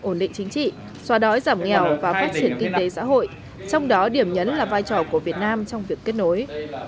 ổn định chính trị xóa đói giảm nghèo và phát triển kinh tế xã hội trong đó điểm nhấn là vai trò của việt nam trong việc kết nối